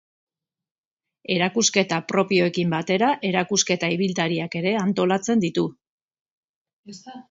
Erakusketa propioekin batera erakusketa ibiltariak ere antolatzen ditu.